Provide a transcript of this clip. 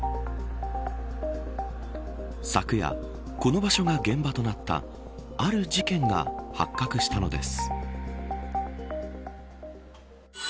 昨夜、この場所が現場となったある事件が発覚したのです。